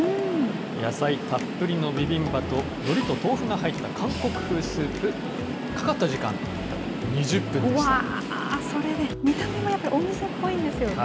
野菜たっぷりのビビンバと、のりと豆腐が入った韓国風スープ。かかった時間、それで、見た目もやっぱりお店っぽいんですよね。